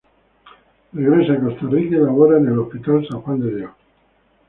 Regresa a Costa Rica y labora en el Hospital San Juan de Dios.